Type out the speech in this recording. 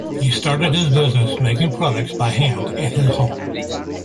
He started his business making products by hand in his home.